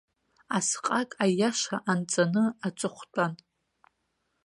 Асҟак аиаша анҵаны, аҵыхәтәан.